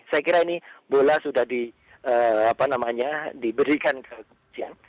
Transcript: saya kira ini bola sudah di apa namanya diberikan kepolisian